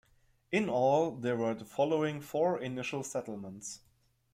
In all, there were the following four initial settlements.